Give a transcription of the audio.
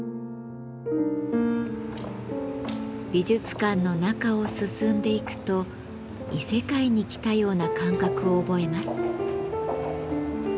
美術館の中を進んでいくと異世界に来たような感覚を覚えます。